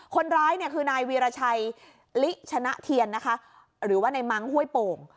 คนร้ายคือนายวีรชัยลิชนะเทียนหรือว่าในมังค์ห้วยโป่ง